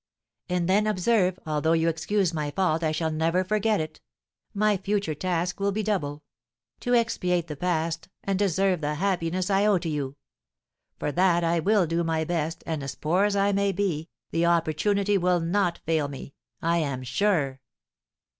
"And then, observe, although you excuse my fault I shall never forget it. My future task will be double: to expiate the past and deserve the happiness I owe to you. For that I will do my best, and, as poor as I may be, the opportunity will not fail me, I am sure."